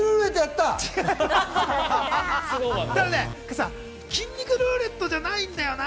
加藤さん、筋肉ルーレットじゃないんだよな。